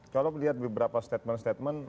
kalau melihat beberapa statement statement